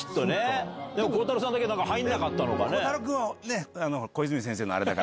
でも孝太郎さんだけ入らなかったのかね。